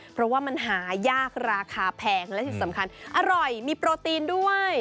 เพราะว่ามันหายากราคาแพงและที่สำคัญอร่อยมีโปรตีนด้วย